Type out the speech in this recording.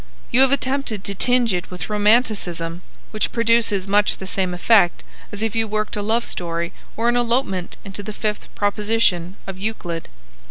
You have attempted to tinge it with romanticism, which produces much the same effect as if you worked a love story or an elopement into the fifth proposition of Euclid."